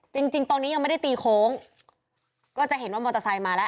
จริงจริงตอนนี้ยังไม่ได้ตีโค้งก็จะเห็นว่ามอเตอร์ไซค์มาแล้ว